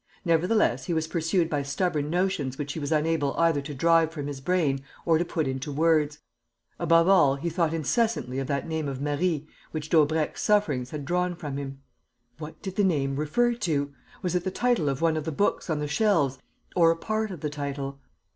Nevertheless, he was pursued by stubborn notions which he was unable either to drive from his brain or to put into words. Above all, he thought incessantly of that name of "Marie" which Daubrecq's sufferings had drawn from him. What did the name refer to? Was it the title of one of the books on the shelves, or a part of the title?